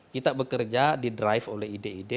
kita bekerja di drive oleh ide ide